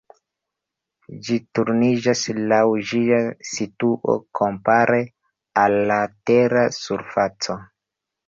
Ĝi turniĝas laŭ ĝia situo kompare al la Tera surfaco.